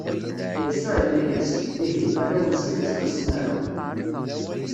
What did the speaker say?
Yasuɛ inna-as: Ihi, arraw-nsen ur ttxelliṣen ara.